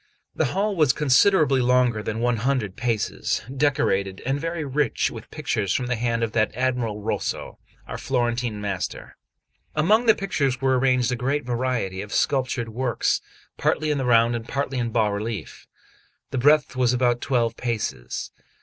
The hall was considerably longer than 100 paces, decorated, and very rich with pictures from the hand of that admirable Rosso, our Florentine master. Among the pictures were arranged a great variety of sculptured works, partly in the round, and partly in bas relief. The breadth was about twelve paces.